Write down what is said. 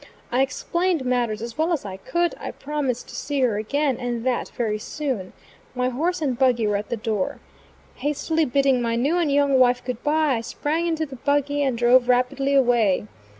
I explained matters as well as I could; I promised to see her again, and that very soon. My horse and buggy were at the door. Hastily bidding my new and young wife "good bye," I sprang into the buggy and drove rapidly away.